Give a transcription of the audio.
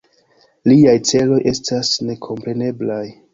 Liaj celoj estas nekompreneblaj.